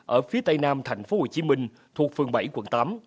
ở phía tây nam tp hcm thuộc phường bảy quận tám